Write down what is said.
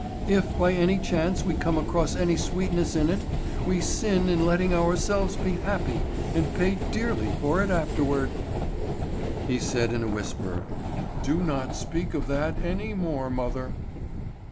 If by any chance we come across any sweetness in it, we sin in letting ourselves be happy, and pay dearly for it afterward." He said in a whisper: "Do not speak of that any more, mother."